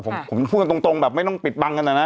ผมพูดกันตรงไม่ต้องปิดกำลังกันน่ะนะ